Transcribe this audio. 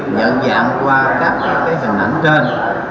nhận dạng qua các hình ảnh trên